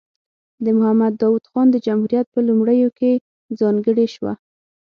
د محمد داود خان د جمهوریت په لومړیو کې ځانګړې شوه.